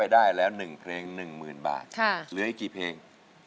อีก๔เพลงครับ๔เพลง